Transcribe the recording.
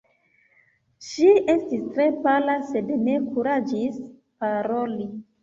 Ŝi estis tre pala, sed ne kuraĝis paroli.